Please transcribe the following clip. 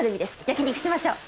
焼き肉しましょう。